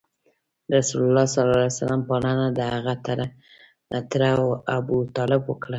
رسول الله ﷺ پالنه دهغه تره ابو طالب وکړه.